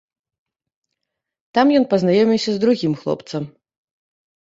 Там ён пазнаёміўся з другім хлопцам.